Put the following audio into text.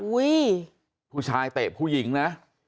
ผู้ชายเตะผู้หญิงนะ